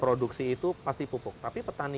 produksi itu pasti pupuk tapi petani